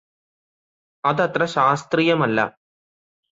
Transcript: അതത്ര ശാസ്ത്രീയമല്ല